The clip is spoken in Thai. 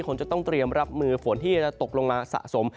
คงจะต้องเตรียมรับมือฝนที่จะตกลงมาสะสม